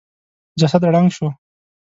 جسد ړنګ شو.